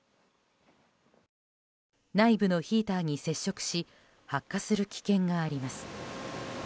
内部のヒーターに接触し発火する危険があります。